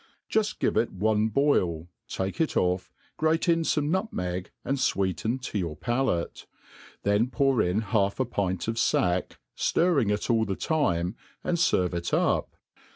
Juft give it one boil, take it off, grate in fome nutmeg, and fweeteh to your palate : then pour in half a pint of fack, ftirring it all the time, and ferve it up.